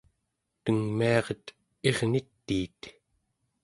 tengmiaret irnitiit